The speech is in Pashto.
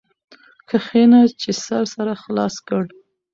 کښېنه چي سر سره خلاص کړ.